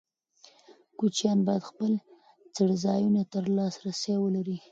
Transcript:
کوچیان باید خپل څړځایونو ته لاسرسی ولري.